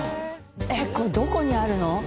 えっこれどこにあるの？